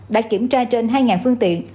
đã kiểm tra trên hai phương tiện